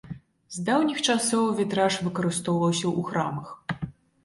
З даўніх часоў вітраж выкарыстоўваўся ў храмах.